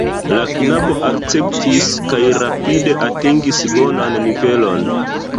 La knabo akceptis, kaj rapide atingis bonan nivelon.